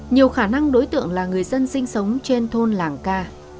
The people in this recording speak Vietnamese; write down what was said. nhiều khả năng đối tượng là người dân sinh sống trên thôn làng ca